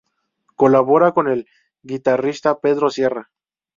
Colabora con el guitarrista Pedro Sierra.